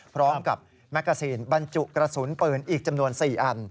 พร้อมกับแมกกาซีนบรรจุกระสุนปืนอีกจำนวน๔อัน